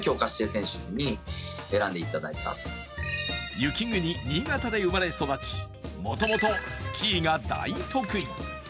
雪国・新潟で生まれ育ちもともとスキーが大得意。